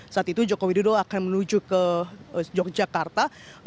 saat itu jokowi dodo akan menuju ke yogyakarta